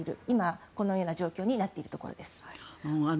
今、このような状況になっているところです。